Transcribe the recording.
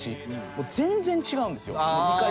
全然違うんですよ。